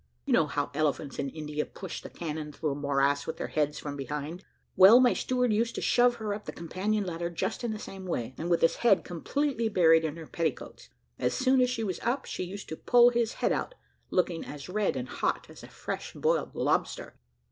You know how elephants in India push the cannon through a morass with their heads from behind; well, my steward used to shove her up the companion ladder just in the same way, with his head completely buried in her petticoats. As soon as she was up, he used to pull his head out, looking as red and hot as a fresh boiled lobster.